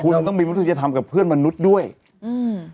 คุณต้องมีมนุษยธรรมกับเพื่อนมนุษย์ด้วยอืม